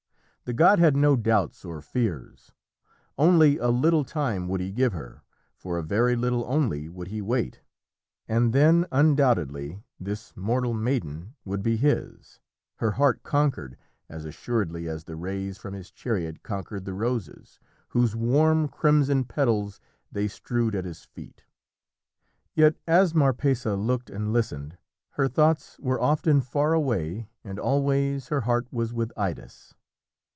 The god had no doubts or fears. Only a little time he would give her, for a very little only would he wait, and then undoubtedly this mortal maiden would be his, her heart conquered as assuredly as the rays from his chariot conquered the roses, whose warm crimson petals they strewed at his feet. Yet as Marpessa looked and listened, her thoughts were often far away and always her heart was with Idas.